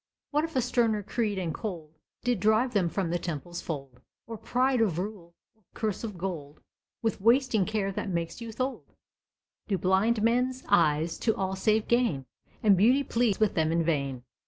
What if a sterner creed and cold Did drive them from the Temple's fold? Or pride of rule, or curse of gold, With wasting care that makes youth old, Do blind men's eyes to all save gain, And beauty pleads with them in vain?